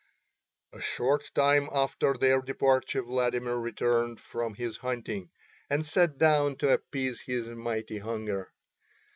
A short time after their departure Vladimir returned from his hunting, and sat down to appease his mighty hunger.